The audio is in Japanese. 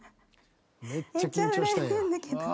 めっちゃ震えてんだけど。